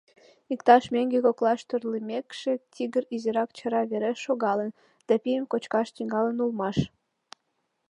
Иктаж меҥге коклаш торлымекше, тигр изирак чара вереш шогалын да пийым кочкаш тӱҥалын улмаш.